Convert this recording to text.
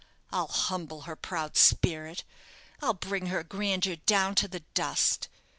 I'll humble her proud spirit! I'll bring her grandeur down to the the dust.